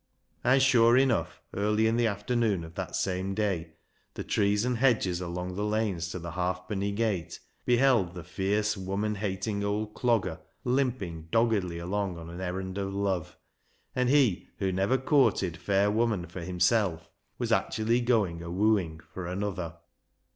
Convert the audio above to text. And sure enough early in the afternoon of that same day the trees and hedges along the lanes to the Halfpenny Gate beheld the fierce woman hating old Clogger limping doggedly along on an errand of love, and he who never courted fair woman for himself was actually going a wooing for another.